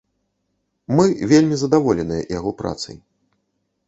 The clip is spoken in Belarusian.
Мы вельмі задаволеныя яго працай.